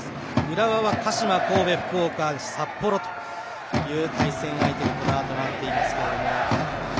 浦和は鹿島、神戸、福岡札幌という対戦相手にこのあとなっています。